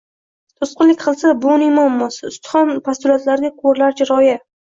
to‘sqinlik qilsa, bu uning muammosi: ustihon postulatlarga ko‘rlarcha rioya